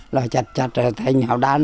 là chạch chạch thành hào đan